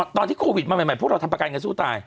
ตอนที่โควิดมาใหม่พวกเราทำประกันกันสู้ตาย